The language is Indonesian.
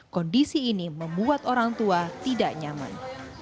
kondisi ini membuat orang tua tidak nyaman